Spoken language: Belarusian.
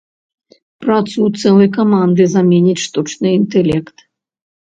Працу цэлай каманды заменіць штучны інтэлект.